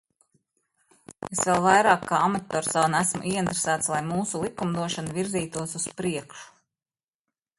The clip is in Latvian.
Es vēl vairāk kā amatpersona esmu ieinteresēts, lai mūsu likumdošana virzītos uz priekšu.